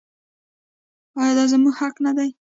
آیا دا زموږ حق نه دی؟